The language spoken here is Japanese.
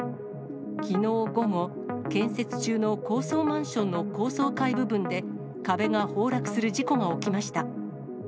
きのう午後、建設中の高層マンションの高層階部分で、壁が崩落する事故が起きました。